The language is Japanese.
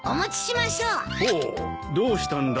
ほうどうしたんだ？